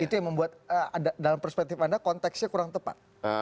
itu yang membuat dalam perspektif anda konteksnya kurang tepat